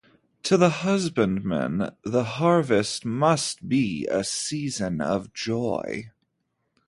To the husbandman, the harvest must be a season of joy.